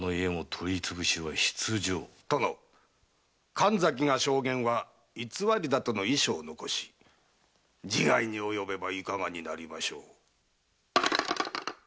神崎が証言は偽りだとの遺書を残し自害に及べばいかがになりましょう？